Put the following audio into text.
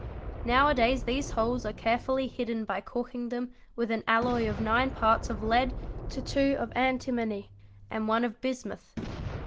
Now a days these holes are carefully hidden by corking them with an alloy of nine parts of lead to two of antimony and one of bismuth.